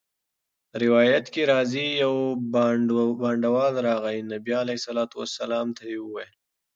روایت کي راځي: يو بانډَوال راغی، نبي عليه السلام ته ئي وويل